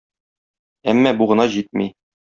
Әмма бу гына җитми.